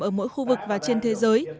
ở mỗi khu vực và trên thế giới